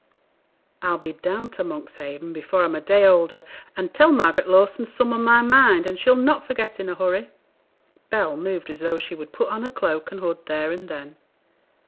'I'll be down to Monkshaven before I'm a day older, and tell Margaret Lawson some on my mind as she'll not forget in a hurry.' Bell moved as though she would put on her cloak and hood there and then.